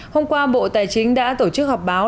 hôm qua bộ tài chính đã tổ chức họp báo